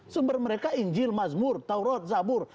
sumber mereka injil mazmur taurat zabur